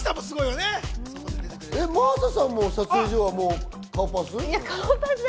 真麻さんも撮影所は顔パス？